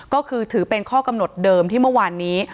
ก็คือถือเป็นข้อกำหนดเดิมที่เมื่อวานนี้